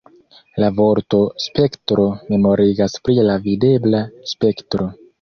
La vorto ""spektro"" memorigas pri la videbla spektro.